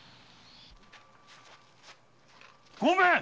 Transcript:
ごめん！